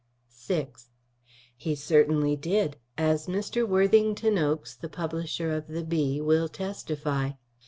VI He certainly did, as Mr. Worthington Oakes, the publisher of the Bee, will testify.